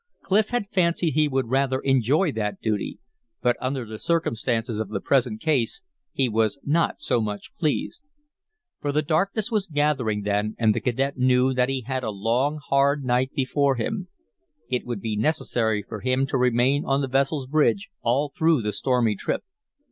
Clif had fancied he would rather enjoy that duty but under the circumstances of the present case he was not so much pleased. For the darkness was gathering then and the cadet knew that he had a long hard night before him; it would be necessary for him to remain on the vessel's bridge all through the stormy trip.